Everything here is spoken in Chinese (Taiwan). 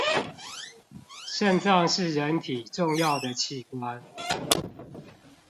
腎臟是人體重要的器官